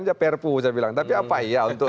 aja perpu saya bilang tapi apa iya untuk